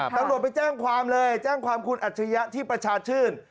ตำรวจไปแจ้งความเลยแจ้งความคุณอัจฉริยะที่ประชาชื่น